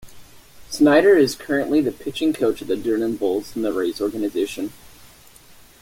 Snyder is currently the pitching coach of the Durham Bulls in the Rays organization.